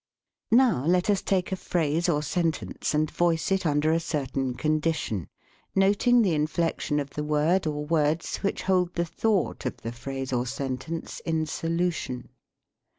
Now let us take a phrase or sentence, and voice it under a certain condition, noting the inflection of the word or words which hold the thought of the phrase or sentence in so lution.